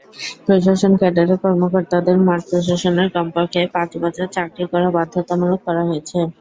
প্রশাসন ক্যাডারের কর্মকর্তাদের মাঠ প্রশাসনে কমপক্ষে পাঁচ বছর চাকরি করা বাধ্যতামূলক করা হয়েছে।